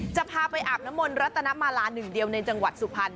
จะพาไปอาบน้ำมนต์รัตนมาลาหนึ่งเดียวในจังหวัดสุพรรณ